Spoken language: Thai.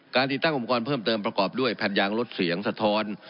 ติดตั้งอุปกรณ์เพิ่มเติมประกอบด้วยแผ่นยางลดเสียงสะท้อน